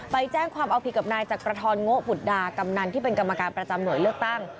ไปแจ้งความเอาผิดกับนายจักรทรโงะบุตรดากำนันที่เป็นกรรมการประจำหน่วยเลือกตั้ง